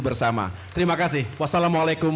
bersama terima kasih wassalamualaikum